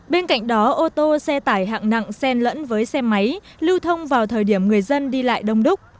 bên cạnh đó ô tô xe tải hạng nặng xen lẫn với xe máy lưu thông vào thời điểm người dân đi lại đông đúc